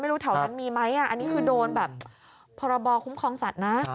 ไม่รู้แถวนั้นมีไหมอันนี้คือโดนพระบอคุ้มครองสัตว์นะ